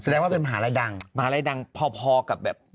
แสดงว่าเป็นมหาวิทยาลัยดังมหาวิทยาลัยดังพอพอกับแบบ